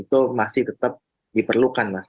itu masih tetap diperlukan mas